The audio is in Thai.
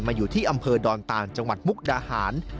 อยู่ที่อำเภอดอนตานจังหวัดมุกดาหาร